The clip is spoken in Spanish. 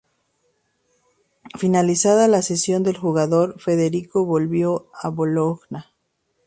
Finalizada la cesión del jugador, Federico volvió al Bologna.